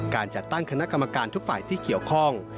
การจัดตั้งคณะกรรมการทุกฝ่ายที่เกี่ยวข้อง